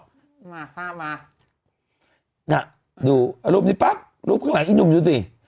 มาภาพมาน่ะดูอ่ะรูปนี้ปั๊บรูปขึ้นไหนไอ้หนุ่มดูสิ